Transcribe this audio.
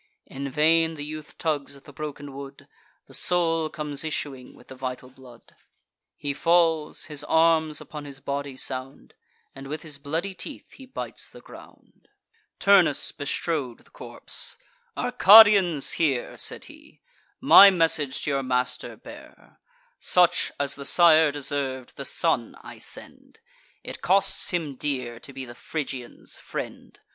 In vain the youth tugs at the broken wood; The soul comes issuing with the vital blood: He falls; his arms upon his body sound; And with his bloody teeth he bites the ground. Turnus bestrode the corpse: "Arcadians, hear," Said he; "my message to your master bear: Such as the sire deserv'd, the son I send; It costs him dear to be the Phrygians' friend.